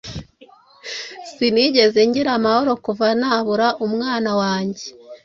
sinigeze ngira amahoro kuva nabura umwana wanjye